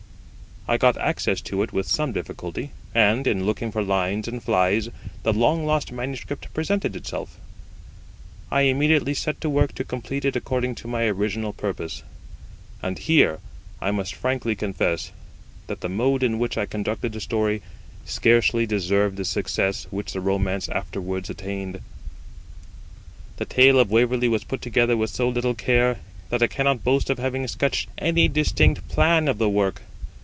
I got access to it with some difficulty; and, in looking for lines and flies, the long lost manuscript presented itself. I immediately set to work to complete it according to my original purpose. And here I must frankly confess that the mode in which I conducted the story scarcely deserved the success which the romance afterwards attained. The tale of WAVERLEY was put together with so little care that I cannot boast of having sketched any distinct plan of the work.